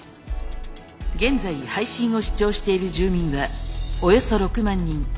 現在配信を視聴している住民はおよそ６万人。